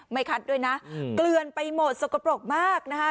ไม่คัดด้วยนะเกลือนไปหมดสกปรกมากนะคะ